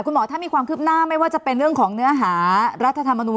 คุณหมอถ้ามีความคืบหน้าไม่ว่าจะเป็นเรื่องของเนื้อหารัฐธรรมนูล